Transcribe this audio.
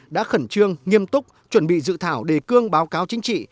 đã khẩn trương nghiêm túc chuẩn bị dự thảo đề cương báo cáo chính trị